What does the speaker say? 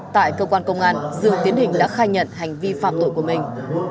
tại cơ quan công an dương tiến hình đã khai nhận hành vi phạm tội của mình